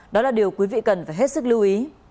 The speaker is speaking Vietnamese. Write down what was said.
đó là điều quý vị cần phải hết sức lưu ý